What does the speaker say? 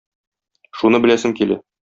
Шуны беләсем килә.